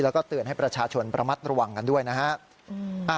แล้วก็เตือนให้ประชาชนประมัดระวังกันด้วยนะฮะ